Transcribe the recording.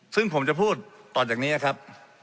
ซึ่งผมจะพูดต่อจากนี้ครับ